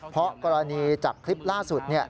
เพราะกรณีจากคลิปล่าสุด